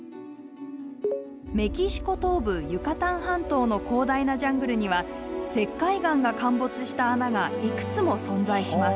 メキシコ東部ユカタン半島の広大なジャングルには石灰岩が陥没した穴がいくつも存在します。